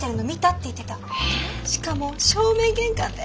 しかも正面玄関で。